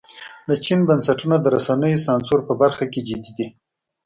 د چین بنسټونه د رسنیو سانسور په برخه کې جدي دي.